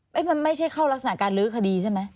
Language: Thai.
มันไม่ใช่เข้ารักษณะการลื้อคดีใช่ไหม